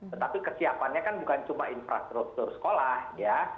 tetapi kesiapannya kan bukan cuma infrastruktur sekolah ya